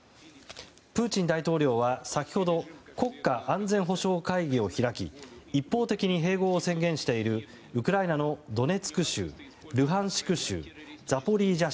プーチン大統領は先ほど、国家安全保障会議を開き一方的に併合を宣言しているウクライナのドネツク州、ルハンシク州ザポリージャ